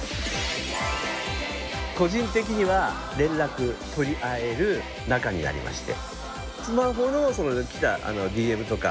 個人的には連絡取り合える仲になりまして。